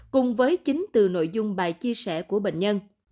cùng với chính từ nội dung bài chia sẻ của bệnh nhân